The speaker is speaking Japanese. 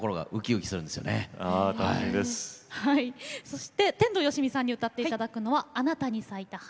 そして天童よしみさんに歌っていただくのは「あなたに咲いた花だから」。